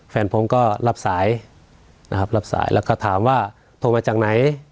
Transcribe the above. แฟนผมก็รับสายนะครับรับสายแล้วก็ถามว่าโทรมาจากไหน